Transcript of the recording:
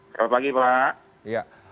selamat pagi pak